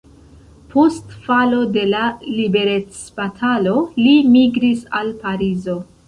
Post falo de la liberecbatalo li migris al Parizo.